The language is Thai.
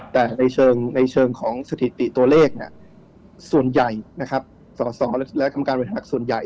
แต่ในเชิงของสถิติตัวเลขส่วนใหญ่สอสรและคำการบริษัทส่วนใหญ่